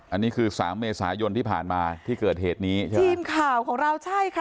อันนี้คือสามเมษายนที่ผ่านมาที่เกิดเหตุนี้ใช่ไหมทีมข่าวของเราใช่ค่ะ